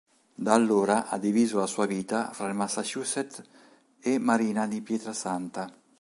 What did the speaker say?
Da allora ha diviso la sua vita fra il Massachusetts e Marina di Pietrasanta.